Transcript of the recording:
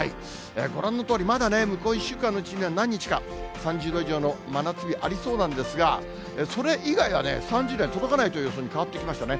ご覧のとおり、まだね、向こう１週間のうちには何日か、３０度以上の真夏日ありそうなんですが、それ以外はね、３０度に届かないという予想に変わってきましたね。